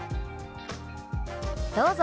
どうぞ。